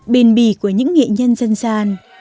bền bì của những nghệ nhân dân gian